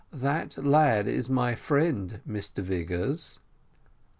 That lad is my friend, Mr Vigors."